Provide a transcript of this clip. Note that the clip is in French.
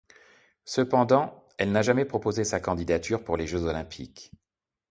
Cependant, elle n'a jamais proposé sa candidature pour les Jeux olympiques.